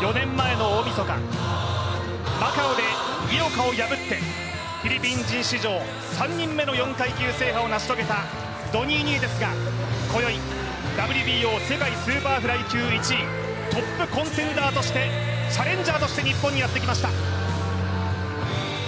４年前の大みそかマカオで井岡を破ってフィリピン人史上３人目の４階級制覇を成し遂げたドニー・ニエテスが今宵ＷＢＯ世界スーパーフライ級１位トップコンテンダーとしてチャレンジャーとして日本にやってきました。